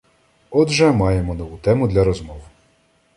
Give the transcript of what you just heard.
Отже, маємо нову тему для розмов.